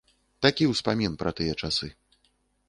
Такі ўспамін пра тыя часы.